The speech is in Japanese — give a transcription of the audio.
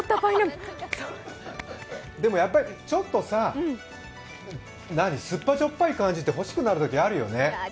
でも、ちょっとさ、酸っぱじょっぱい感じが欲しくなるときあるよね。